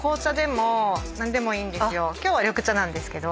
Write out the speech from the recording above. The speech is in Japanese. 今日は緑茶なんですけど。